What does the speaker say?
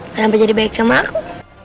kenapa jadi baik sama aku